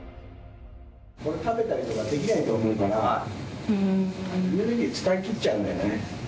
俺、食べたりとかできないと思うから、エネルギーを使い切っちゃうんだよね。